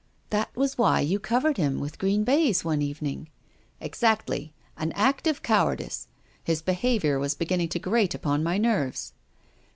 " That was why you covered him with green baize one evening?" *' Exactly. An act of cowardice. His behav iour was beginning to grate upon my nerves."